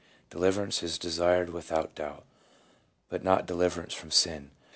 Deliverance is desired without doubt, but not deliverance from sin.